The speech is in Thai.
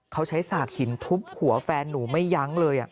เขาใช้สากหินทุบหัวแฟนหนูไม่ยั้งเลย